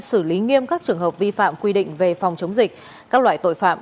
xử lý nghiêm các trường hợp vi phạm quy định về phòng chống dịch các loại tội phạm